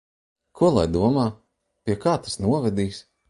Ko lai domā? Pie kā tas novedīs?